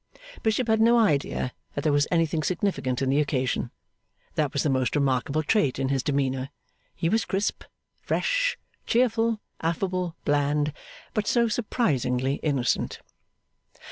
Bishop had no idea that there was anything significant in the occasion. That was the most remarkable trait in his demeanour. He was crisp, fresh, cheerful, affable, bland; but so surprisingly innocent.